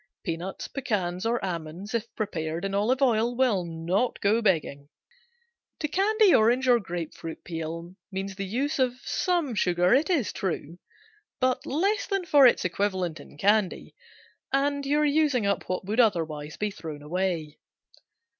Peanuts, pecans or almonds, if prepared in olive oil, will not go begging. To candy orange or grape fruit peel means the use of some sugar, it is true, but less than for its equivalent in candy, and you are using up what would otherwise be thrown away.